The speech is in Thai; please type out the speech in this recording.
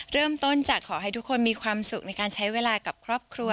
เริ่มต้นจากขอให้ทุกคนมีความสุขในการใช้เวลากับครอบครัว